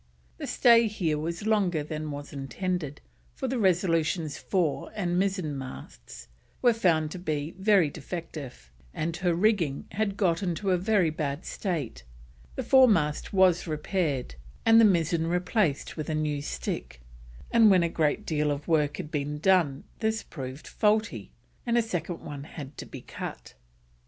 The stay here was longer than was intended, for the Resolution's fore and mizzen masts were found to be very defective, and her rigging had got into a very bad state. The fore mast was repaired and the mizzen replaced with a new stick, and when a great deal of work had been done this proved faulty, and a second one had to be cut.